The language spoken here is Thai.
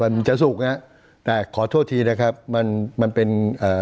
มันจะสุกฮะแต่ขอโทษทีนะครับมันมันเป็นเอ่อ